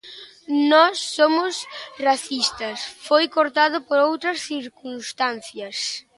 Non somos racistas, foi cortado por outras circunstancias.